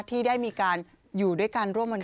ที่ได้มีการอยู่ด้วยกันร่วมกัน